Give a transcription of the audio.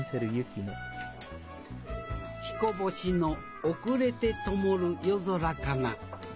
「彦星の遅れてともる夜空かな」